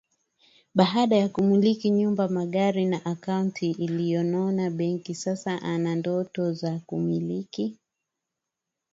baada ya kumiliki nyumba magari na akaunti iliyonona benki sasa ana ndoto za kumiliki